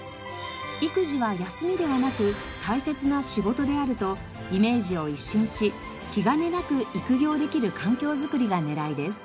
育児は休みではなく大切な仕事であるとイメージを一新し気兼ねなく育業できる環境づくりが狙いです。